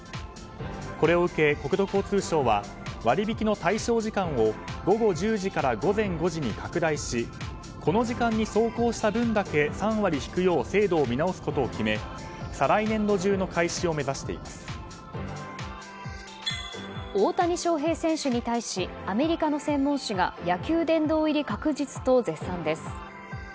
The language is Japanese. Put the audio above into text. これを受け国土交通省は割引の対象時間を午後１０時から午前５時に拡大しこの時間に走行した分だけ３割引くよう制度を見直すことを決め再来年度中の開始を大谷翔平選手に対しアメリカの専門誌が野球殿堂入り確実と絶賛です。